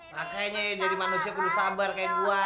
makanya jadi manusia kudu sabar kayak gue